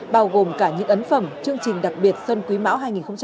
bao gồm cả những ấn phẩm chương trình đặc biệt xuân quý mão hai nghìn hai mươi